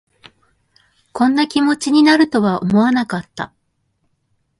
こんな気持ちになるとは思わなかった